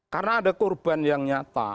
karena ada korban yang nyata